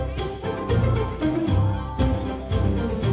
กลับมานี่